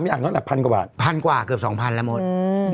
๓อย่างก็แหละพันกว่าบาทพันกว่าเกือบ๒๐๐๐แล้วหมดอืม